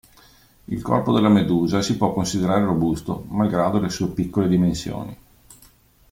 Il corpo della medusa si può considerare robusto, malgrado le sue piccole dimensioni.